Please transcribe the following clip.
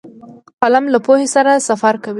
قلم له پوهې سره سفر کوي